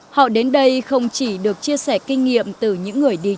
họ đến đây không chỉ được chia sẻ kinh nghiệm từ nhà